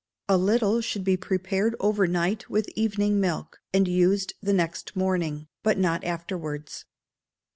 A little should be prepared over night with evening milk, and used the next morning, but not afterwards.